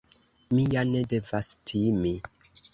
Mi ja ne devas timi.